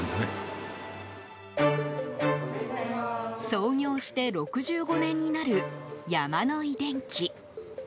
創業して６５年になるヤマノイ電器。